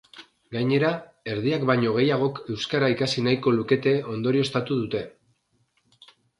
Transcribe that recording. Gainera, erdiak baino gehiagok euskara ikasi nahiko luketela ondorioztatu dute.